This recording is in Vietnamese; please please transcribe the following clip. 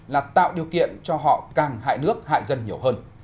là tạo điều kiện cho họ càng hại nước hại dân nhiều hơn